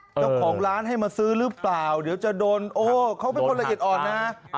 เจ้าของร้านให้มาซื้อหรือเปล่าเดี๋ยวจะโดนโอ้เขาเป็นคนละเอียดอ่อนนะ